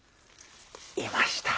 いました！